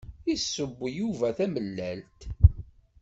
Yesseww Yuba tamellalt.